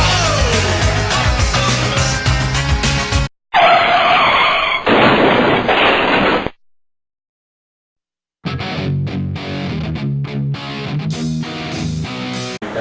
ก็คือความจริง